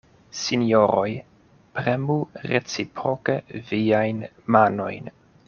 Sinjoroj, premu reciproke viajn manojn.